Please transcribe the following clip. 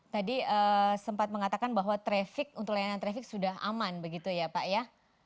tadi sempat mengatakan bahwa trafik untuk layanan trafik sudah aman begitu ya pak ya